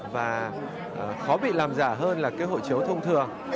và khó bị làm giả hơn là cái hộ chiếu thông thường